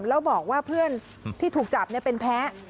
แล้วบอกว่าเพื่อนที่ถูกจับเป็นแพ้